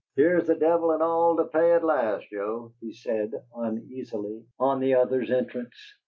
"Here's the devil and all to pay at last, Joe," he said, uneasily, on the other's entrance.